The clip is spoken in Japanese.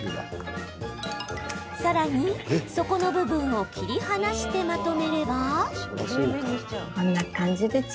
さらに、底の部分を切り離してまとめれば。